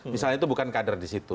misalnya itu bukan kader disitu